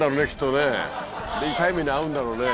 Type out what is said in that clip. で痛い目に遭うんだろうねぇ